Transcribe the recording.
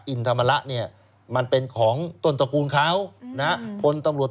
อินธรรมระเนี่ยมันเป็นของต้นตระกูลเขานะพลตำรวจ